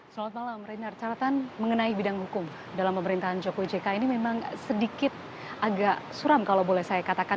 selamat malam reinhard catatan mengenai bidang hukum dalam pemerintahan jokowi jk ini memang sedikit agak suram kalau boleh saya katakan